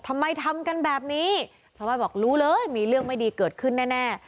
ทำไมทำกันแบบนี้ชาวบ้านบอกรู้เลยมีเรื่องไม่ดีเกิดขึ้นแน่